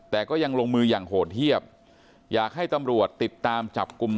แต่ก็ยังลงมืออย่างโหดเยี่ยมอยากให้ตำรวจติดตามจับกลุ่ม